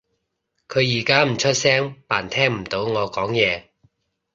佢而家唔出聲扮聽唔到我講嘢